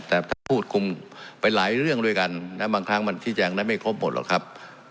แต่ท่านพูดคุมไปหลายเรื่องด้วยกันนะบางครั้งมันชี้แจงได้ไม่ครบหมดหรอกครับ